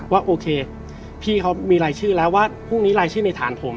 ว่าโอเคพี่เขามีรายชื่อแล้วว่าพรุ่งนี้รายชื่อในฐานผม